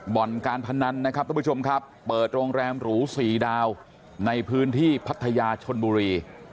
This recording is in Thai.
บ่อนการพนันนะครับทุกผู้ชมครับเปิดโรงแรมหรูสี่ดาวในพื้นที่พัทยาชนบุรี